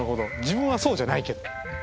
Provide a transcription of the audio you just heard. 自分はそうじゃないけど。